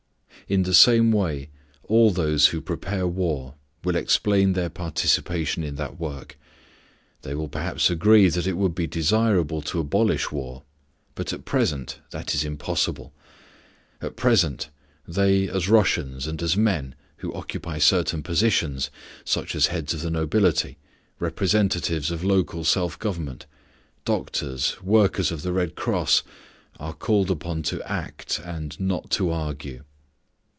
In the same way, all those who prepare war will explain their participation in that work. They will perhaps agree that it would be desirable to abolish war, but at present this is impossible. At present they as Russians and as men who occupy certain positions, such as heads of the nobility, representatives of local self government, doctors, workers of the Red Cross, are called upon to act and not to argue.